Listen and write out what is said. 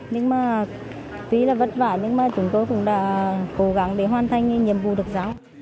nhưng mà tuy là vất vả nhưng mà chúng tôi cũng đã cố gắng để hoàn thành nhiệm vụ được giáo